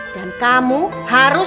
dan kamu harus